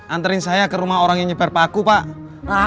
anterin saya ke rumah orang yang nyebar paku pak